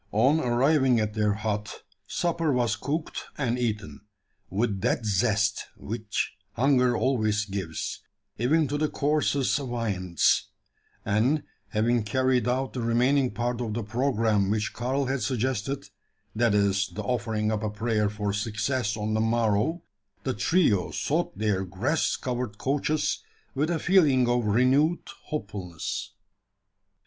On arriving at their hut, supper was cooked and eaten, with that zest which hunger always gives, even to the coarsest viands; and, having carried out the remaining part of the programme which Karl had suggested that is, the offering up a prayer for success on the morrow the trio sought their grass covered couches with a feeling of renewed hopefulness.